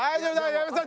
矢部さん